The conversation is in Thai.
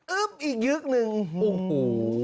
อีกยึกหนึ่งโอ้โห